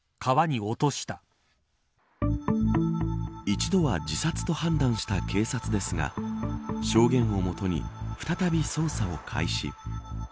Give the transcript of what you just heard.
一度は自殺と判断した警察ですが証言をもとに再び捜査を開始。